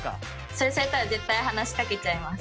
それされたら絶対話しかけちゃいます。